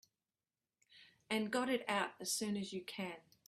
And got it out as soon as you can.